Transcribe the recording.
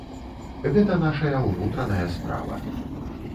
Гэта нашая ўнутраная справа.